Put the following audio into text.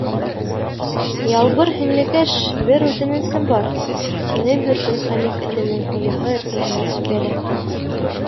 -Ялбыр һеңлекәш, бер үтенесем бар, - тине бер көн Хәмит этенең ояһы эргәһенә сүгәләп.